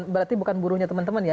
berarti bukan buruhnya teman teman ya